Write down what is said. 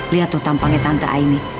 lihat tuh tampangnya tante aini